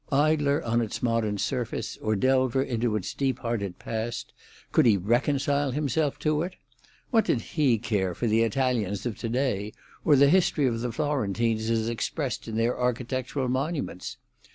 Idler on its modern surface, or delver in its deep hearted past, could he reconcile himself to it? What did he care for the Italians of to day, or the history of the Florentines as expressed in their architectural monuments?